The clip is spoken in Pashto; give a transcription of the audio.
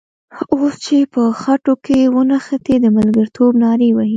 اوس چې په خټو کې ونښتې د ملګرتوب نارې وهې.